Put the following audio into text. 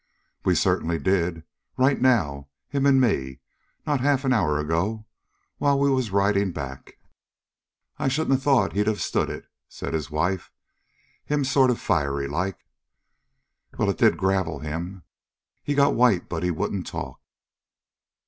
"We certainly did right now, him and me, not half an hour ago, while we was riding back." "I shouldn't have thought he'd of stood it," said his wife, "him sort of fiery like." "Well, it did gravel him. He got white, but wouldn't talk.